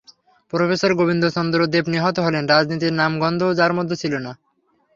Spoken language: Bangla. প্রফেসর গোবিন্দ চন্দ্র দেব নিহত হলেন, রাজনীতির নাম-গন্ধও যাঁর মধ্যে ছিল না।